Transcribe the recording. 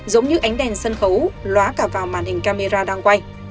giống như ánh đèn sân khấu hóa cả vào màn hình camera đang quay